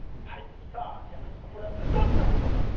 山下さん、これはどっちなんでしょうか？